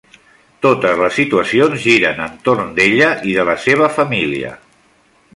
Totes les situacions giren entorn d'ella i de la seva família.